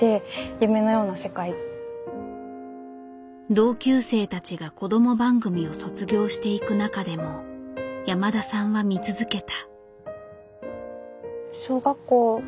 同級生たちが子ども番組を卒業していく中でも山田さんは見続けた。